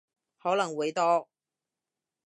可能會多